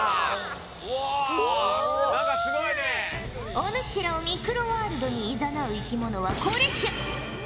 お主らをミクロワールドにいざなう生き物はこれじゃ。